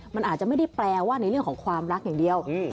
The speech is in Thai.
มันอาจจะไม่ได้แปลว่าในเรื่องของความรักอย่างเดียว